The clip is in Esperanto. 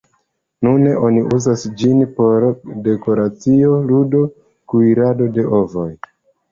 Nune oni uzas ĝin por dekoracio, ludo, kuirado de ovoj.